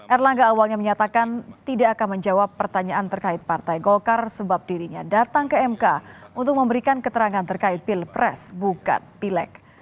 erlangga awalnya menyatakan tidak akan menjawab pertanyaan terkait partai golkar sebab dirinya datang ke mk untuk memberikan keterangan terkait pilpres bukan pileg